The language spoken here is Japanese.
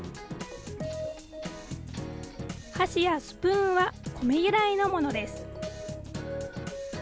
箸やスプーンはコメ由来のものです。